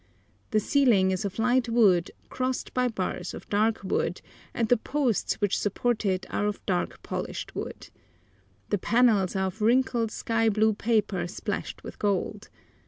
The ceiling is of light wood crossed by bars of dark wood, and the posts which support it are of dark polished wood. The panels are of wrinkled sky blue paper splashed with gold.